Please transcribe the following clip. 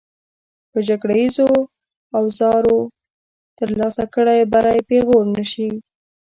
پر جګړیزو اوزارو ترلاسه کړی بری پېغور نه شي.